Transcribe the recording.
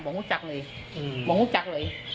บอกมูจักรเลย